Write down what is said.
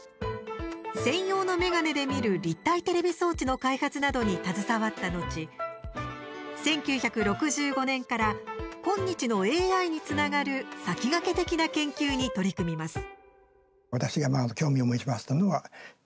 専用の眼鏡で見る立体テレビ装置の開発などに携わった後、１９６５年から今日のＡＩにつながる先駆け的な研究に取り組みます。